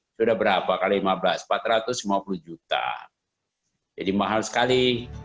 sudah berapa kali lima belas empat ratus lima puluh juta jadi mahal sekali